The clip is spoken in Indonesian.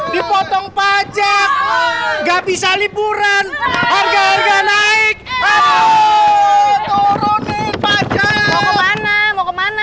dipotong pajak nggak bisa liburan harga harga naik aduh turunin pajak mau kemana mau kemana